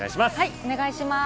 お願いします。